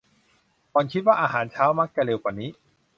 หล่อนคิดว่าอาหารเช้ามักจะเร็วกว่านี้